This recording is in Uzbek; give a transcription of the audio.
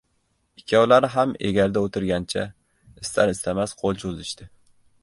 Ikkovlari ham egarda o‘tirgancha, istar- istamas qo’l cho‘zishdi.